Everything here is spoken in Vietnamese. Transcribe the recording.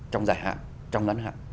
trong dài hạn trong lãnh hạn